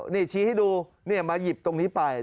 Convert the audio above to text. นี่ชี้ให้ดูมาหยิบตรงนี้ไป